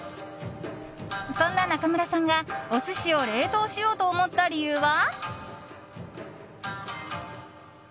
そんな中村さんが、お寿司を冷凍しようと思った理由は。